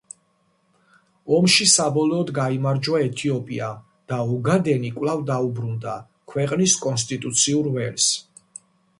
ომში საბოლოოდ გაიმარჯვა ეთიოპიამ და ოგადენი კვლავ დაუბრუნდა ქვეყნის კონსტიტუციურ ველს.